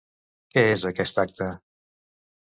Què és aquest acte?